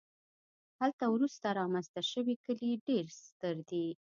هلته وروسته رامنځته شوي کلي ډېر ستر دي